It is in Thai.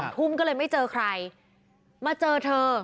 ทุ่มก็เลยไม่เจอใครมาเจอเธอ